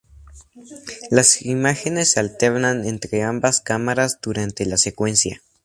Las imágenes se alternan entre ambas cámaras durante la secuencia.